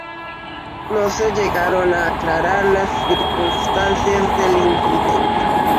No se llegaron a aclarar las circunstancias del incidente.